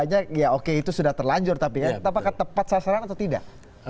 ya oke itu sudah terlanjur tapi ya apakah tepat sasaran atau tidak